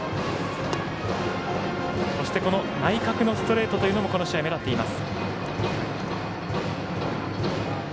そして内角のストレートというのもこの試合、目立っています。